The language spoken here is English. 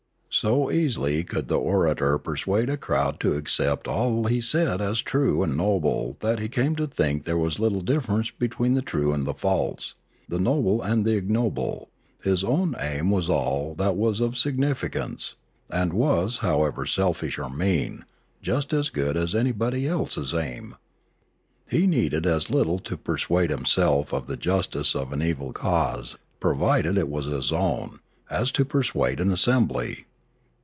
So easily could the orator persuade a crowd to accept all he said as true and noble that he came to think there was little differ ence between the true and the false, the noble and the ignoble; his own aim was all that was of significance, and it was, however selfish or mean, just as good as anybody else's aim. He needed as little to persuade himself of the justice of an evil cause, provided it was his own, as to persuade an assembly.